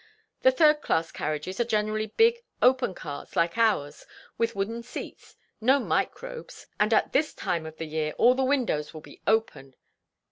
The third class carriages are generally big, open cars like ours, with wooden seats—no microbes—and at this time of the year all the windows will be open.